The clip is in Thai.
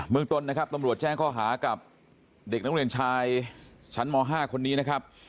เมืองต้นนะครับตำรวจแจ้งข้อหากับเด็กนักเรียนชายชั้นม๕คนนี้นะครับ